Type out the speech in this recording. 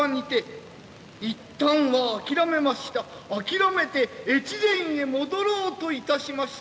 諦めて越前へ戻ろうといたしました。